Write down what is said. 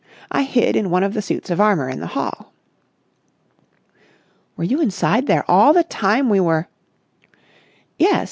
I hid in one of the suits of armour in the hall." "Were you inside there all the time we were...?" "Yes.